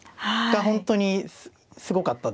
本当にすごかったですね。